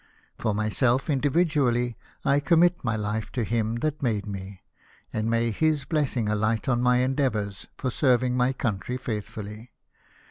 For myself individually, I commit my life to Him that made me, and may His blessing alight on my endeavours for serving my country faithfully